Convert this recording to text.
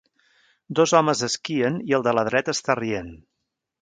Dos homes esquien i el de la dreta està rient.